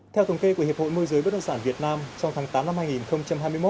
theo thống kê của hiệp hội môi giới bất động sản việt nam trong tháng tám năm hai nghìn hai mươi một